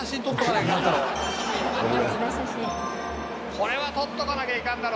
これは撮っとかなきゃいかんだろ。